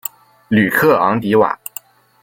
吕克昂迪瓦。